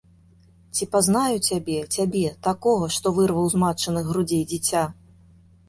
Ці пазнаю цябе, цябе, такога, што вырваў з матчыных грудзей дзіця.